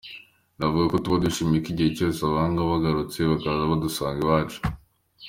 Navuga ko tuba duhishiwe mu gihe cyose abahanga baba bahagurutse bakaza badusanga iwacu.